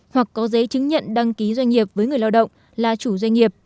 hoặc có giấy chứng nhận đăng ký doanh nghiệp với người lao động là chủ doanh nghiệp